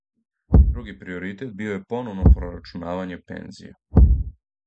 Други приоритет био је поновно прорачунавање пензија.